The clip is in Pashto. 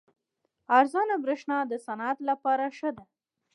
ارزانه بریښنا د صنعت لپاره ښه ده.